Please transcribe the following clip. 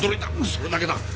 それだけだ！